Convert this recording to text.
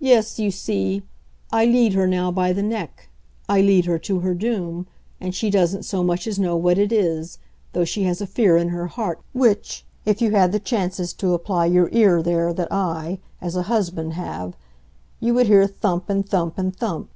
"Yes, you see I lead her now by the neck, I lead her to her doom, and she doesn't so much as know what it is, though she has a fear in her heart which, if you had the chances to apply your ear there that I, as a husband, have, you would hear thump and thump and thump.